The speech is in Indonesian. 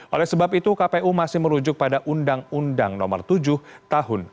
oleh sebab itu kpu masih merujuk pada undang undang nomor tujuh tahun dua ribu sembilan